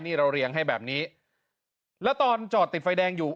กลัวเรียงให้แบบนี้และตอนจอดติดไฟแดงอยู่